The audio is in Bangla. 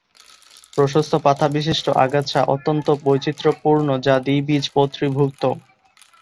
প্রশস্ত পাতাবিশিষ্ট আগাছা অত্যন্ত বৈচিত্র্যপূর্ণ যা দ্বিবীজপত্রীভুক্ত।